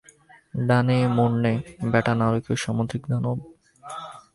ডানে মোড় নে, ব্যাটা নারকীয় সামুদ্রিক দানব!